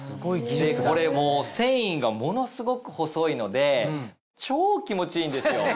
これ繊維がものすごく細いので超気持ちいいんですよ。